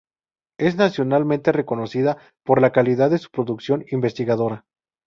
Es nacionalmente reconocida por la calidad de su producción investigadora.